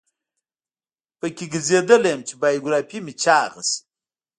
په کې ګرځیدلی یم چې بیوګرافي مې چاقه شي.